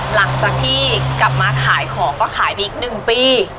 หลังจากที่กลับมาขายของก็ขายไปอีก๑ปี